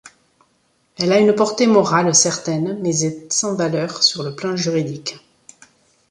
Elle a une portée morale certaine, mais est sans valeur sur le plan juridique.